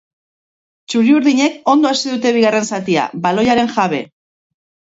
Txuriurdinek ondo hasi dute bigarren zatia, baloiaren jabe.